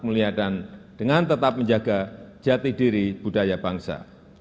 mulia dan dengan tetap menjaga jati diri budaya bangsa